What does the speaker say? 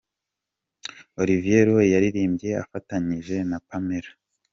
Olivier Roy yaririmbye afatanyije na Pamela.